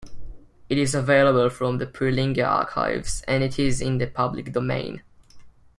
It is available from the Prelinger Archives, and it is in the public domain.